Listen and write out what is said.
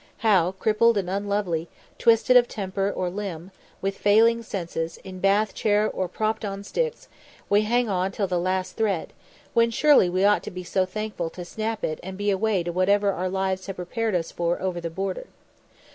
How, crippled and unlovely, twisted of temper or limb, with failing senses, in bath chair, or propped on sticks, we hang on to the last thread, when surely we ought to be so thankful to snap it and be away to whatever our lives here have prepared for us over the border.